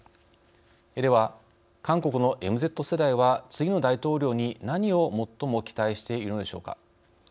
では、韓国のＭＺ世代は次の大統領に何を最も期待しているのでしょうか。